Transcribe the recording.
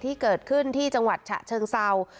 ที่เกิดขึ้นที่จังหวัดฉะเชิงเศร้า